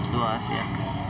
dua as ya